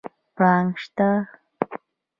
پړانګ شته؟